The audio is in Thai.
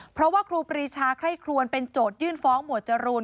เพราะว่าครูปรีชาไคร่ครวนเป็นโจทยื่นฟ้องหมวดจรูน